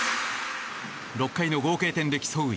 ６回の合計点で競う